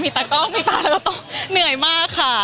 มีตากล้องมีปากแล้วก็ต้องเหนื่อยมากค่ะ